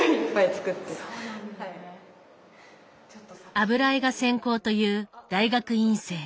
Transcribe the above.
油絵が専攻という大学院生。